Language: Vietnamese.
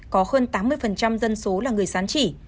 có hơn tám mươi dân số là người sán chỉ